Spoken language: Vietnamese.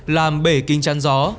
làm bể kinh chăn gió